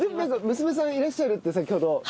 娘さんいらっしゃるって先ほど。